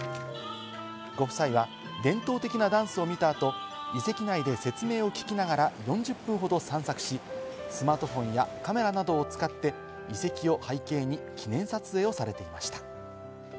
ご夫妻は伝統的なダンスを見た後、遺跡内で説明を聞きながら４０分ほど散策し、スマートフォンやカメラなどを使って遺跡を背景に記念撮影をされていました。